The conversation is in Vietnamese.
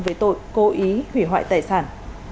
về tội cố ý hủy hoại tài sản